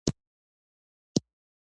استاد مهدي په بس کې خوندور نعتونه وویل.